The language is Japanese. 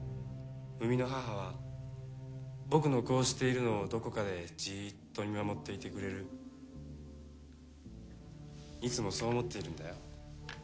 生みの母は僕のこうしているのをどこかでじっと見守っていてくれるいつもそう思っているんだよ